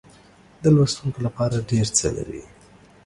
د لوستونکو لپاره ډېر څه لري.